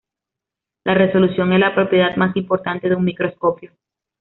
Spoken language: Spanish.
La resolución es la propiedad más importante de un microscopio.